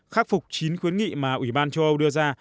khắc phục chín khuyến nghị mà ủy ban châu âu đưa ra